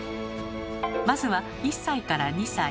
まずは１歳から２歳。